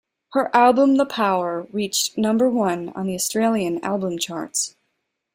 Her album "The Power" reached number one on the Australian album charts.